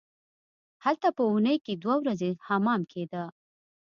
هلته په اونۍ کې دوه ورځې حمام کیده.